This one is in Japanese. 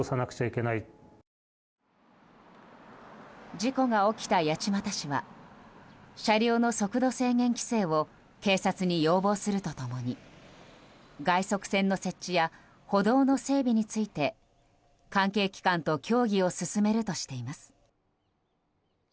事故が起きた八街市は車両の速度制限規制を警察に要望すると共に外側線の設置や歩道の整備について関係機関と協議を進めるとしています。